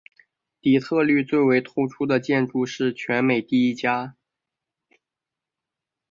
底特律最为突出的建筑是全美第一家。